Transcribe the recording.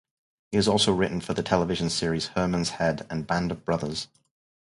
He has also written for the television series "Herman's Head" and "Band of Brothers".